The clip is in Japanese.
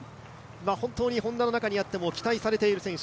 本当にＨｏｎｄａの中にあっても期待されている選手。